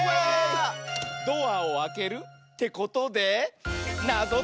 ドアをあけるってことでなぞとき。